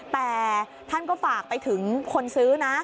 แต่ท่านก็ฝากไปถึงคนซื้อนะ